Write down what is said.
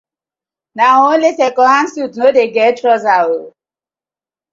Na only second hand suit no dey get trouser.